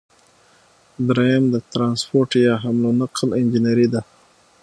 دریم د ټرانسپورټ یا حمل او نقل انجنیری ده.